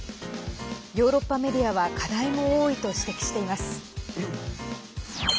ヨーロッパメディアは課題も多いと指摘しています。